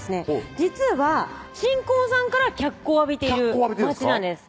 実は新婚さんから脚光を浴びている街なんです